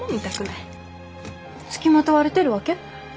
付きまとわれてるわけ？